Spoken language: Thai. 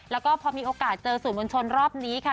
แล้วก็พอมีโอกาสเจอสู่ผู้ชมชมรอบนี้นะคะ